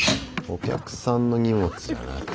お客さんの荷物じゃなくて。